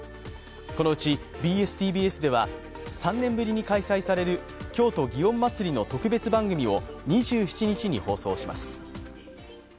このうちＢＳ−ＴＢＳでは３年ぶりに開催される京都、祇園祭の特別番組を２７日に放送します。